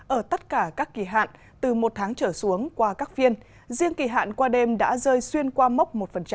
ở tất cả các kỳ hạn từ một tháng trở xuống qua các phiên riêng kỳ hạn qua đêm đã rơi xuyên qua mốc một